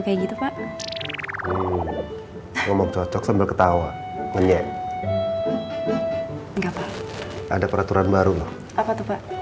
kayak gitu pak ngomong cocok sambil ketawa ngenyap enggak pak ada peraturan baru apa tuh pak